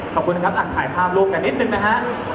ขอบคุณนะครับถ่ายภาพลูกกันนิดนึงนะฮะ